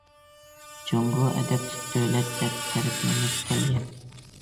جۇڭگو« ئەدەپلىك دۆلەت» دەپ تەرىپلىنىپ كەلگەن.